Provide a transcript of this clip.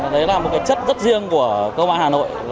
đấy là một cái chất rất riêng của công an hà nội